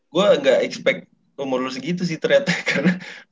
gue gak expect umur lu segitu sih ternyata